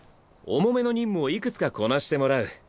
重めの任務をいくつかこなしてもらう。